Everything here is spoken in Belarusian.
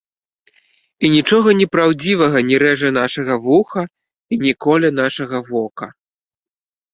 І нічога непраўдзівага не рэжа нашага вуха і не коле нашага вока.